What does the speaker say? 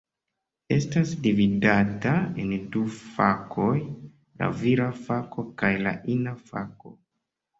Estas dividata en du fakoj: la vira fako kaj la ina fako.